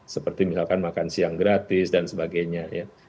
seperti misalkan makan siang gratis dan sebagainya ya